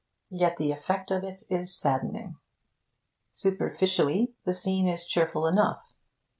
Yet the effect of it is saddening. Superficially, the scene is cheerful enough.